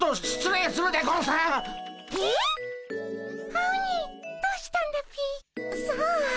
アオニイどうしたんだっピ？さあ。